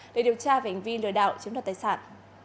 để điều tra về hành vi lừa đảo chiếm đoạt tài sản